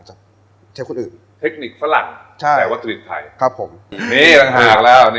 ขอบคุณครับขอบคุณมากครับ